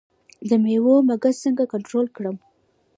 د میوو مګس څنګه کنټرول کړم؟